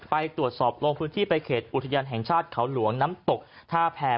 ไปตรวจสอบลงพื้นที่ไปเขตอุทยานแห่งชาติเขาหลวงน้ำตกท่าแพร